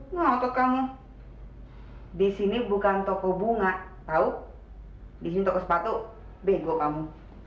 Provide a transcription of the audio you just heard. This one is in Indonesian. hai mau atau kamu hai di sini bukan toko bunga tahu di situ sepatu bingung kamu